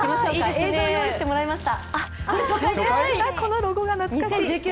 映像を用意してもらいました。